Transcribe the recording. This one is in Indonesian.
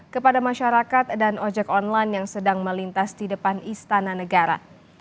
kepada masyarakat dan ojek online yang sedang melintas di depan istana negara